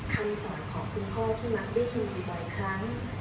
คำสอนของคุณพ่อที่รักได้ยินอยู่บ่อยครั้ง